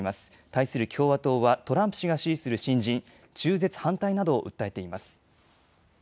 対する共和党はトランプ氏が支持する新人、中絶反対などを訴えています。